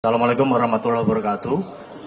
assalamu alaikum warahmatullahi wabarakatuh